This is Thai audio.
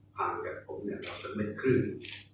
ทางจากผมเนี่ยแปลว่าสักเม็ดครึ่ง